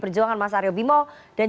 wacana publik digigirkan